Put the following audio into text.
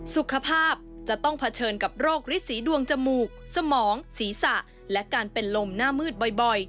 สุขภาพจะต้องเผชิญกับโรคฤทธีดวงจมูกสมองศีรษะและการเป็นลมหน้ามืดบ่อย